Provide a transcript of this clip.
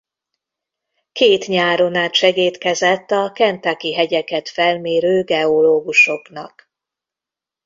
Két nyáron át segédkezett a kentuckyi hegyeket felmérő geológusoknak.